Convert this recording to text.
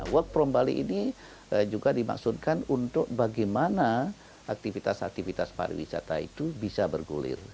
work from bali ini juga dimaksudkan untuk bagaimana aktivitas aktivitas pariwisata itu bisa bergulir